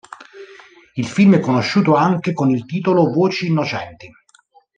Il film è conosciuto anche con il titolo Voci innocenti.